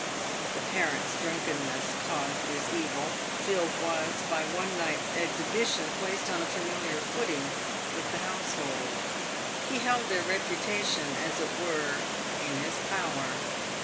The parent's drunkenness caused this evil — Phil was, by one night's exhibition, placed on a familiar footing with the household. He held their reputation, as it were, in .his power.